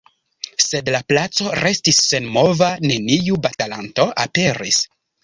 Sed la placo restis senmova, neniu batalanto aperis.